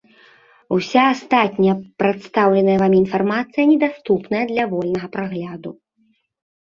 Уся астатняя прадстаўленая вамі інфармацыя недаступная для вольнага прагляду.